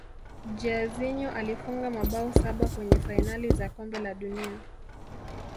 jairzinho alifunga mabao saba kwenye fainali za kombe la dunia